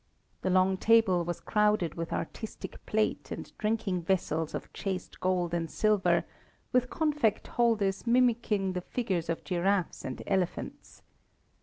The long table was crowded with artistic plate and drinking vessels of chased gold and silver, with confect holders mimicing the figures of giraffes and elephants.